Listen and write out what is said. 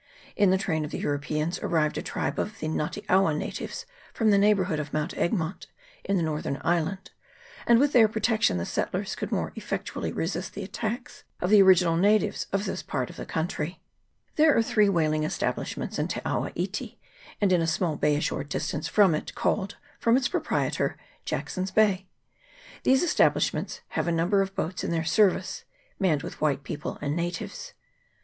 In the train of the Europeans arrived a tribe of the Ngate Awa natives from the neighbourhood of Mount Egmont, in the northern island, and with their protection the settlers could more effectually resist the attacks of the original natives of this part of the country. There are three whaling establishments in Te awa iti, and in a small bay a short distance from it, 40 WHALES AND WHALERS. [PART I. called, from its proprietor, Jackson's Bay. These establishments have a number of boats in their service, manned with white people and natives.